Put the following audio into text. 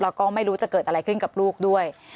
แล้วก็ไม่รู้จะเกิดอะไรขึ้นกับลูกด้วย